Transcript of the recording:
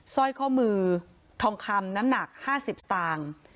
สร้อยข้อมือทองคำน้ำหนัก๕๐สตางค์